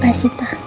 terima kasih pak